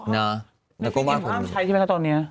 นี่คิดว่าห้ามใช้ใช่ไหมครับตอนนี้